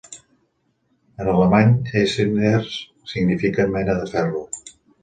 En alemany Eisenerz significa mena de ferro.